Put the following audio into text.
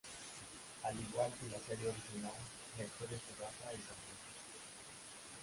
Al igual que la serie original, la historia se basa en San Francisco.